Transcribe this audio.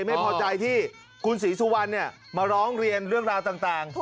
ไม่พอใจที่คุณศรีสุวรรณมาร้องเรียนเรื่องราวต่าง